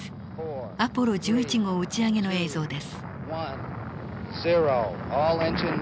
アポロ１１号打ち上げの映像です。